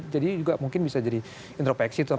jadi juga mungkin bisa jadi intropeksi